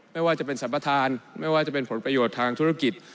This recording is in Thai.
ไม่ว่าจะเป็นสัมปทานไม่ว่าจะเป็นผลประโยชน์ทางธุรกิจ